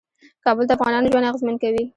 کابل د افغانانو ژوند اغېزمن کوي.